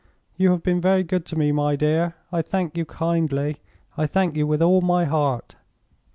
"You have been very good to me, my dear; I thank you kindly; I thank you with all my heart."